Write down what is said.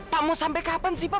pak mau sampai kapan sih pak